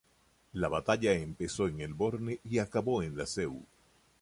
La batalla empezó en el Borne y acabó en la Seu.